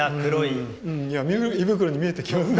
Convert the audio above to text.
いや胃袋に見えてきます。